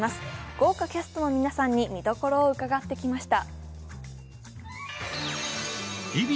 豪華キャストの皆さんに見どころを伺ってきました。